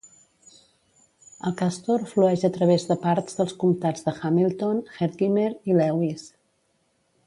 El Castor flueix a través de parts dels comtats de Hamilton, Herkimer i Lewis.